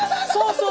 そう。